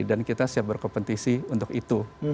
dan kita siap berkompetisi untuk itu